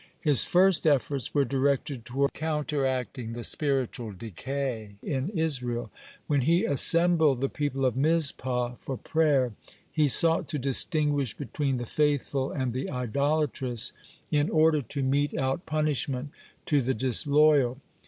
His first efforts were directed toward counteracting the spiritual decay in Israel. When he assembled the people at Mizpah for prayer, he sought to distinguish between the faithful and the idolatrous, in order to mete out punishment to the disloyal.